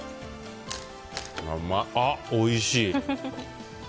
あ、おいしい。